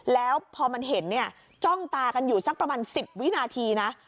แล้วพอมันเห็นเนี่ยจ้องตากันอยู่สักประมาณ๑๐วินาทีนะ